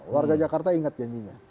warga jakarta ingat janjinya